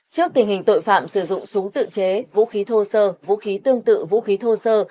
trước tình hình tội phạm sử dụng súng tự chế vũ khí thô sơ vũ khí tương tự vũ khí thô sơ